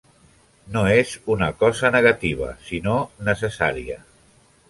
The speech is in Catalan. No és una cosa negativa, sinó necessària.